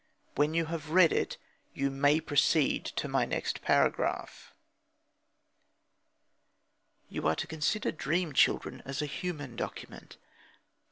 When you have read it, you may proceed to my next paragraph. You are to consider Dream Children as a human document.